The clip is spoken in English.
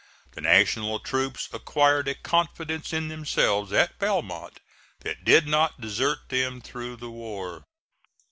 The National troops acquired a confidence in themselves at Belmont that did not desert them through the war.